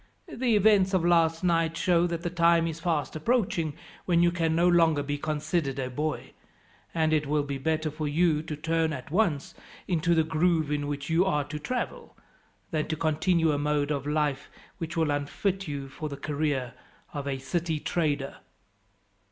The events of last night show that the time is fast approaching when you can no longer be considered a boy, and it will be better for you to turn at once into the groove in which you are to travel, than to continue a mode of life which will unfit you for the career of a city trader."